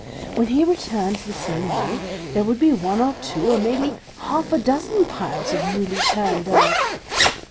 When he returned the same way, there would be one or two or maybe half a dozen piles of newly turned earth.